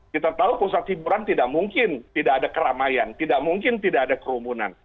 kita tahu pusat hiburan tidak mungkin tidak ada keramaian tidak mungkin tidak ada kerumunan